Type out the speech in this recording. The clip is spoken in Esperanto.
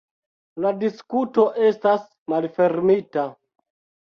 La diskuto estas malfermita.